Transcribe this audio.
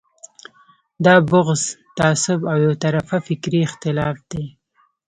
دا بغض، تعصب او یو طرفه فکري اختلاف دی.